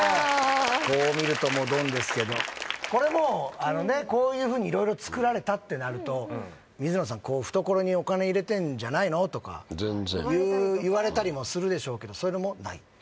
こう見るともうドンですけどこれもうこういうふうに色々つくられたってなると水野さん懐にお金入れてんじゃないの？とか言われたりもするでしょうけどそれもない？